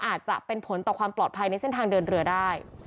อาจจะเป็นผลต่อความปลอดภัยในเส้นทางเดินเรือได้